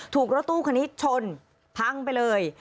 รถตู้คันนี้ชนพังไปเลย